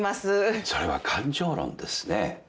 それは感情論ですね。